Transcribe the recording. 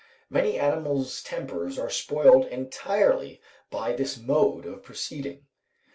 Many animals' tempers are spoiled entirely by this mode of proceeding.